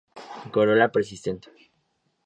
Corola persistente.